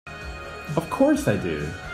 Of course I do!